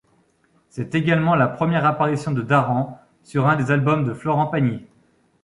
C'est également la première apparition de Daran sur un des albums de Florent Pagny.